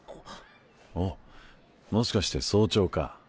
あっもしかして早朝か？